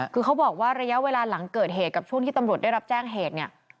คือเขาบอกว่าระยะเวลาหลังเกิดเหตุกับช่วงที่ตำรวจได้รับแจ้งเหตุเนี่ย